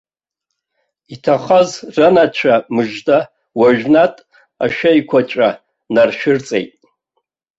Иҭахаз ранацәа мыжда уажәнатә ашәеиқәаҵәа наршәырҵеит.